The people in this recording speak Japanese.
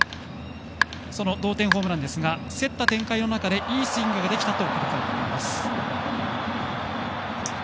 その同点ホームランですが競った展開の中でいいスイングができたと振り返っています。